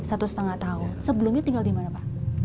satu setengah tahun sebelumnya tinggal di mana pak